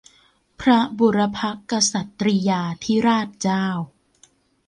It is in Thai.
พระบุรพกษัตริยาธิราชเจ้า